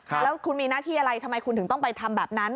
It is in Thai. แล้วคุณมีหน้าที่อะไรทำไมคุณถึงต้องไปทำแบบนั้น